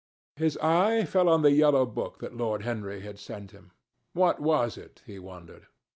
His eye fell on the yellow book that Lord Henry had sent him. What was it, he wondered.